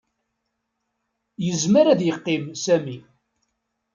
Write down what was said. Yezmer ad yeqqim Sami.